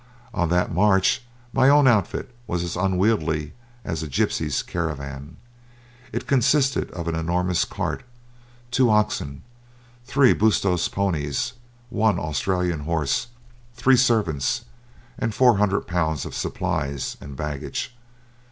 On that march my own outfit was as unwieldy as a gypsy's caravan. It consisted of an enormous cart, two oxen, three Basuto ponies, one Australian horse, three servants, and four hundred pounds of supplies and baggage.